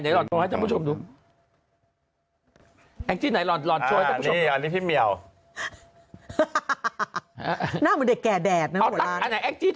ไหนรอโทรให้ท่านผู้ชมดูไหนรอโทรให้ท่านผู้ชมอันนี้อันนี้